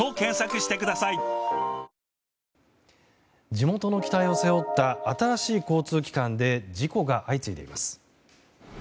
地元の期待を背負った新しい交通機関で事故が相次いでいます。